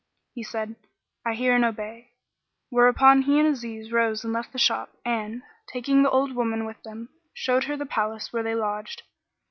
He said, "I hear and obey;" whereupon he and Aziz arose and left the shop and, taking the old woman with them, showed her the place where they lodged.